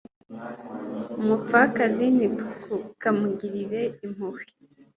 umupfakazi ntitukamugirire impuhwe